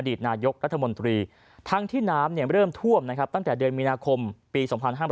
ตนายกรัฐมนตรีทั้งที่น้ำเริ่มท่วมนะครับตั้งแต่เดือนมีนาคมปี๒๕๕๘